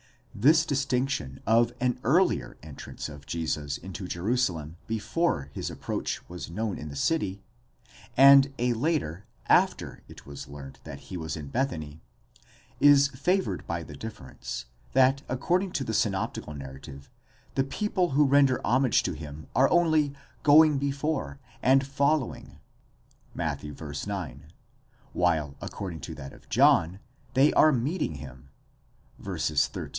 This distinction of an earlier entrance of Jesus into Jerusalem before his approach was known in the city, and a later, after it was learned that he was in Bethany, is favoured by the difference, that according to the synoptical narrative, the people who render homage to him are only going before προάγοντες, and following ἀκολουθοῦντες (Matt. v. 9), while according to that of John, they are meeting him ὑπαντήσαντες (v.